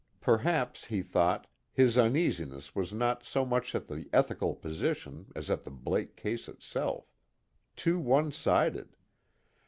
Perhaps, he thought, his uneasiness was not so much at the ethical position as at the Blake case itself too one sided.